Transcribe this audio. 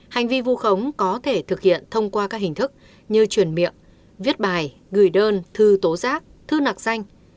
hành vi vu khống có thể thực hiện thông qua các hình thức như truyền miệng viết bài gửi đơn thư tố giác thư nạc danh